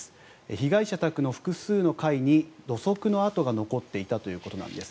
被害者宅の複数の階に土足の跡が残っていたということなんです。